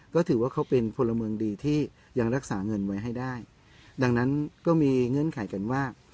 ก็ถือว่าเขาเป็นพลเมืองดีที่ยังรักษาเงินไว้ให้ได้ดังนั้นก็มีเงื่อนไขกันว่า